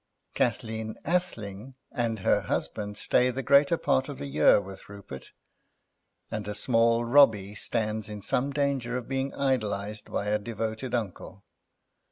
Kathleen Athling and her husband stay the greater part of the year with Rupert, and a small Robbie stands in some danger of being idolised by a devoted uncle.